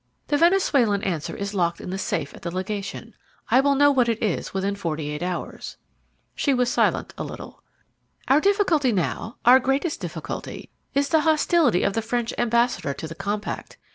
The Venezuelan answer is locked in the safe at the legation; I will know what it is within forty eight hours." She was silent a little. "Our difficulty now, our greatest difficulty, is the hostility of the French ambassador to the compact.